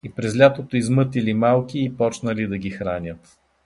И през лятото измътили малки и почнали да ги хранят.